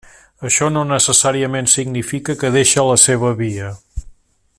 Això no necessàriament significa que deixa la seva via.